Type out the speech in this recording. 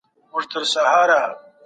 چاکلیټ کم وخورئ.